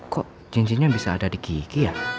kok cincinnya bisa ada di gigi ya